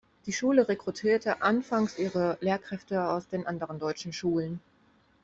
Die Schule rekrutierte anfangs ihre Lehrkräfte aus den anderen deutschen Schulen.